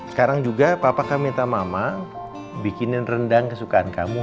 sekarang juga papa kamu minta mama bikinin rendang kesukaan kamu